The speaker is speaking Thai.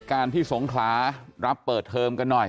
การที่สงขลารับเปิดเทอมกันหน่อย